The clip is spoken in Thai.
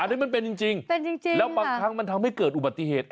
อันนี้มันเป็นจริงเป็นจริงแล้วบางครั้งมันทำให้เกิดอุบัติเหตุ